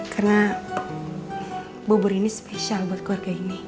karena bubur ini spesial buat keluarga ini